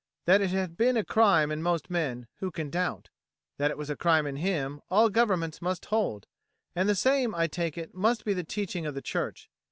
That it had been a crime in most men, who can doubt? That it was a crime in him, all governments must hold; and the same, I take it, must be the teaching of the Church.